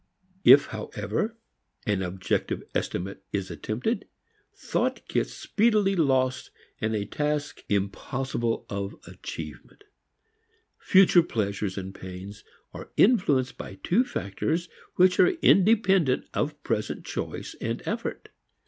If however an objective estimate is attempted, thought gets speedily lost in a task impossible of achievement. Future pleasures and pains are influenced by two factors which are independent of present choice and effort.